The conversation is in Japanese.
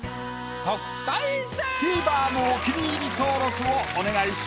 「ＴＶｅｒ」のお気に入り登録をお願いします！